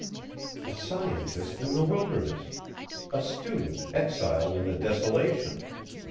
A scientist in the wilderness a student exiled in a desolation!